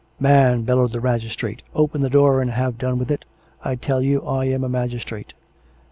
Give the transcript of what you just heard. "" Man," bellowed the magistrate, " open the door and have done with it. I tell you I am a magistrate